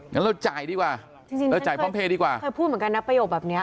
งั้นเราจ่ายดีกว่าจริงเออจ่ายพร้อมเพลย์ดีกว่าเคยพูดเหมือนกันนะประโยคแบบเนี้ย